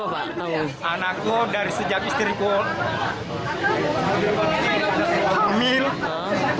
vaksin sama tanggung jawab rumah sakit mas